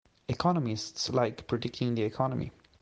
Economists like predicting the Economy.